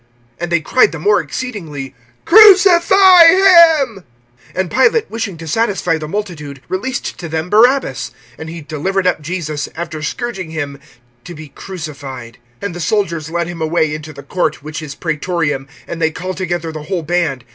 And they cried the more exceedingly: Crucify him. (15)And Pilate, wishing to satisfy the multitude, released to them Barabbas; and he delivered up Jesus, after scourging him, to be crucified. (16)And the soldiers led him away into the court, which is Praetorium; and they call together the whole band.